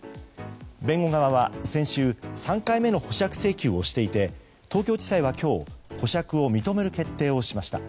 弁護側は先週３回目の保釈請求をしていて東京地裁は今日保釈を認める決定をしました。